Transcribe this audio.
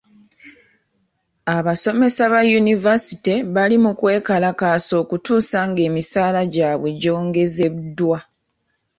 Abasomesa ba yunivasite bali mu kwekalakaasa okutuusa ng'emisaala gyabwe gyongezeddwa.